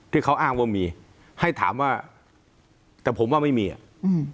ที่เขาอ้างว่ามีให้ถามว่าแต่ผมว่าไม่มีอ่ะอืม